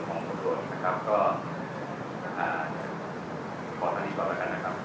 เรื่องปกติเวลาแง่สภาพการกระจอดตัวผู้แยก